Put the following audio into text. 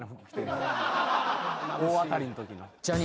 大当たりのときの。